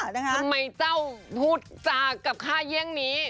ทำไมเจ้าพูดจากับค่าเยี่ยงนี้